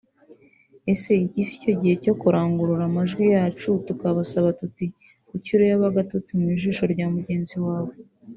Ese iki sicyo gihe cyo kurangurura amajwi yacu tukabasaba tuti “ Kuki ureba agatotsi mu jisho rya mugenzi wawe